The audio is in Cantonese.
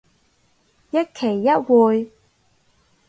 一期一會